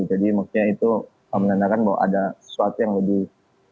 jadi makanya itu menandakan bahwa ada sesuatu yang lebih